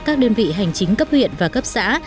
các đơn vị hành chính cấp huyện và cấp xã